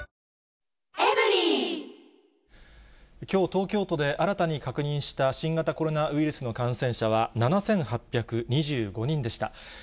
きょう東京都で新たに確認した新型コロナウイルスの感染者は７８２５人でした。